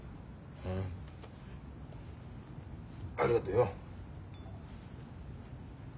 うん。ありがとよ。